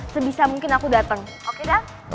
sebisa mungkin aku dateng oke dad